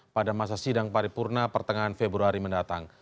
pada masa sidang paripurna pertengahan februari mendatang